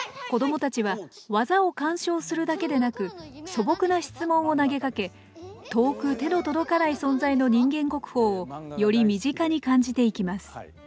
子どもたちはわざを鑑賞するだけでなくそぼくな質問を投げかけ遠く手のとどかないそんざいの人間国宝をより身近に感じていきます。